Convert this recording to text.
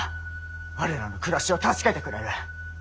我らの暮らしを助けてくれる。